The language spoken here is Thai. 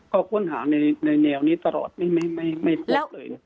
ก็ควรหาในแนวนี้ตลอดไม่พบเลยนะครับ